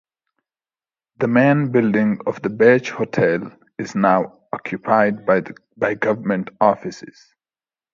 The main building of the Bath Hotel is now occupied by government offices.